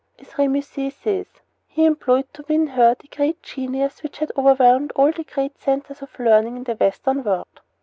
As Remusat says, he employed to win her the genius which had overwhelmed all the great centers of learning in the Western world.